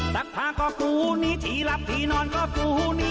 สักผ้าก็กูหนี้ที่หลับที่นอนก็กูหนี้